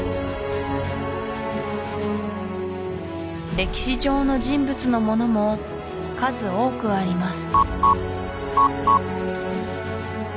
歴史上の人物のものも数多くあります